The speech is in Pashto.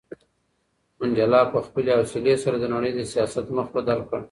منډېلا په خپلې حوصلې سره د نړۍ د سیاست مخ بدل کړ.